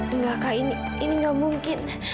enggak kak ini enggak mungkin